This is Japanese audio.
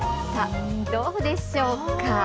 さあ、どうでしょうか。